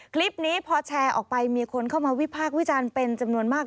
คลิปนี้พอแชร์ออกไปมีคนเข้ามาวิพากษ์วิจารณ์เป็นจำนวนมาก